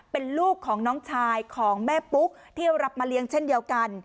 เป็นลูกของน้องชายของแม่ปุ๊กที่รับมาเลี้ยงเช่นเดียวกัน